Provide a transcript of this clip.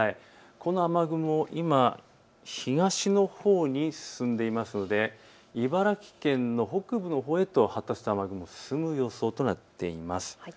この雨雲、今、東のほうに進んでいますので茨城県の北部のほうへ発達した雨雲が進む予想となっています。